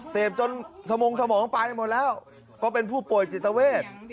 เสพจนสมงสมองไปหมดแล้วก็เป็นผู้ป่วยจิตเวท